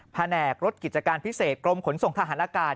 แผนกรถกิจการพิเศษกรมขนส่งทหารอากาศ